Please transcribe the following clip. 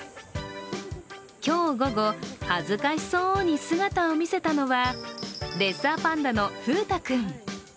今日午後、恥ずかしそうに姿を見せたのはレッサーパンダの風太君。